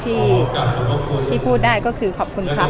ที่พูดได้ก็คือขอบคุณครับ